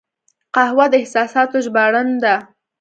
قهوه د احساساتو ژباړن ده